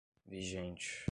vigente